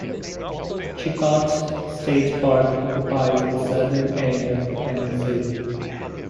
Chilkat State Park occupies the southern end of the peninsula.